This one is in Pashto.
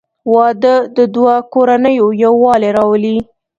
• واده د دوه کورنیو یووالی راولي.